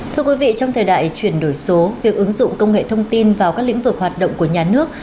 thưa quý vị trong thời đại chuyển đổi số việc ứng dụng công nghệ thông tin vào các lĩnh vực hoạt động của nhà nước